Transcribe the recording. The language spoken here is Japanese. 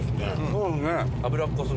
そうですね。